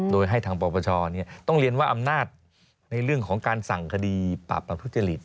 โดยให้ทางปปชต้องเรียนว่าอำนาจในเรื่องของการสั่งคดีปราบปรามทุจริต